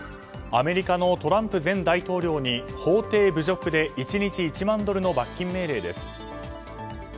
アメリカのトランプ前大統領に法廷侮辱で１日１万ドルの罰金命令です。